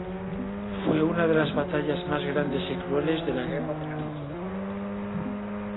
Fue una de las batallas más grandes y crueles de la Guerra del Anillo.